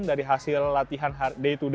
dari hasil latihan day to day gitu ya